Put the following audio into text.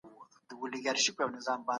ایا دا فشار په ټولو کارکوونکو اغېز کوي؟